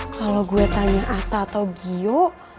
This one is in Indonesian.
kalo gue tanya ata atau gio